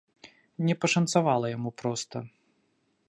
Не пашанцавала яму проста.